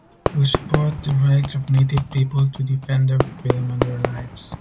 We support the rights of Native people to defend their freedom and their lives.